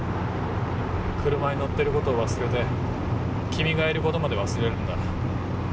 車に乗ってることを忘れて君がいることまで忘れるんだ。